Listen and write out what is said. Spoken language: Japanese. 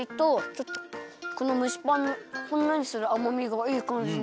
ちょっとこのむしパンのほんのりするあまみがいいかんじに。